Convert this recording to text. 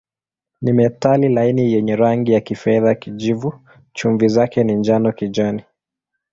Ni metali laini yenye rangi ya kifedha-kijivu, chumvi zake ni njano-kijani.